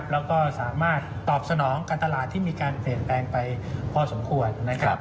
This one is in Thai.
แล้วก็สามารถตอบสนองการตลาดที่มีการเปลี่ยนแปลงไปพอสมควรนะครับ